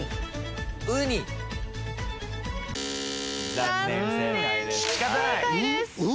残念不正解です。